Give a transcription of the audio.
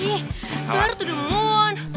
ih syahr tuduh mun